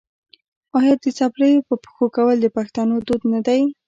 آیا د څپلیو په پښو کول د پښتنو دود نه دی؟